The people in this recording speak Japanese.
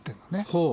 ほう。